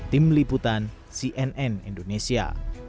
tim liputan cnn indonesia